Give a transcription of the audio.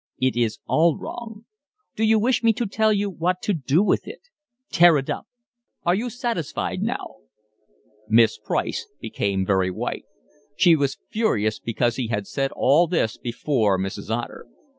It is all wrong. Do you wish me to tell you what to do with it? Tear it up. Are you satisfied now?" Miss Price became very white. She was furious because he had said all this before Mrs. Otter.